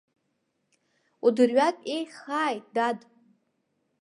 Удырҩатә еиӷьхааит, дад!